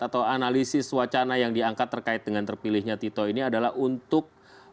atau analisis wacana yang diangkat terkait dengan terpilihnya tito ini adalah untuk